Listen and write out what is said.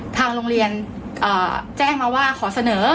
ทางโรงเรียนแจ้งมาว่าขอเสนอ